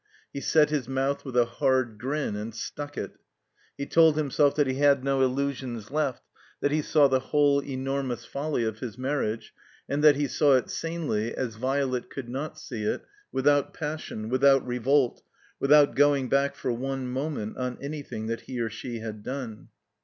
He set his mouth with a hard grin and stuck it. He told himself that he had no illusions left, that he saw the whole enormotis folly of his marriage, and that he saw it sanely, as Violet could not see it, without passion, without revolt, without going back for one moment on anything that he or she had done.